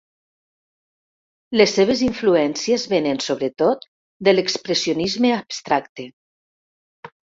Les seves influències vénen, sobretot, de l'expressionisme abstracte.